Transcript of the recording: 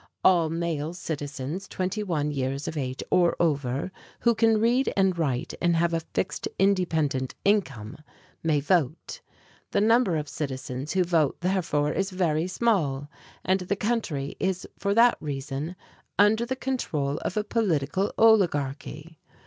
All male citizens twenty one years of age or over, who can read and write and have a fixed independent income, may vote. The number of citizens who vote, therefore, is very small, and the country is for that reason under the control of a political oligarchy.